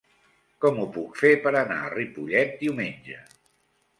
Com ho puc fer per anar a Ripollet diumenge?